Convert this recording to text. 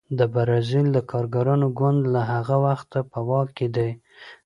د بزازیل د کارګرانو ګوند له هغه وخته په واک کې دی.